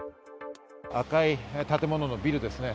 赤い建物のビルですね。